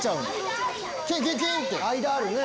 間あるね。